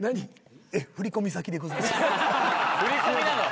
振り込みなの？